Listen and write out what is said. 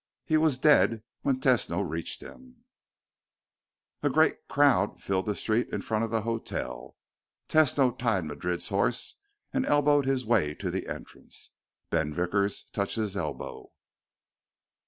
He was dead when Tesno reached him. A great crowd filled the street in front of the hotel. Tesno tied Madrid's horse and elbowed his way to the entrance. Ben Vickers touched his elbow.